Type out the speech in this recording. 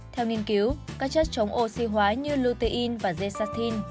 theo nghiên cứu các chất chống oxy hóa như lutein và z sartin